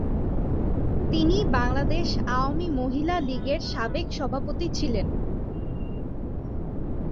তিনি বাংলাদেশ আওয়ামী মহিলা লীগের সাবেক সভাপতি ছিলেন।